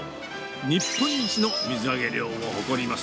日本一の水揚げ量を誇ります。